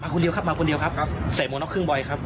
มาคนเดียวครับมาคนเดียวครับเสียหมวงนอกครึ่งใบครับ